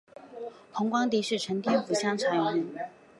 洪光迪是承天府香茶县永治总明乡社出生。